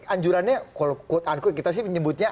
anjurannya kalau kita menyebutnya